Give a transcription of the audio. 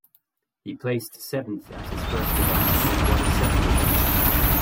He placed seventh at his first event and then won his second event.